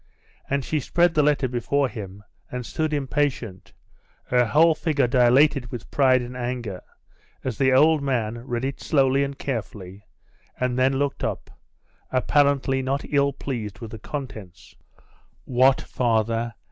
And she spread the letter before him, and stood impatient, her whole figure dilated with pride and anger, as the old man read it slowly and carefully, and then looked up, apparently not ill pleased with the contents. 'What, father?